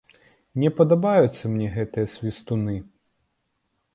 Не падабаюцца мне гэтыя свістуны.